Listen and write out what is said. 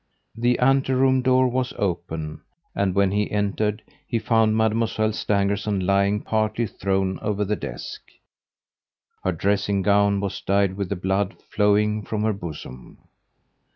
The ante room door was open and when he entered he found Mademoiselle Stangerson lying partly thrown over the desk. Her dressing gown was dyed with the blood flowing from her bosom.